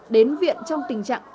đến viện trong tình trạng